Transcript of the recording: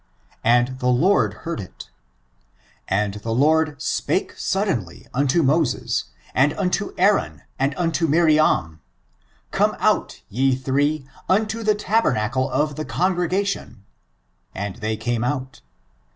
And the Lord heard it. And the Lord spake suddenly unto Moses, and unto Aaron, and unto Miriam : come out ye three unto the tabernacle of the congregation ; and they came out.